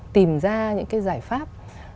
tìm ra những cái giải pháp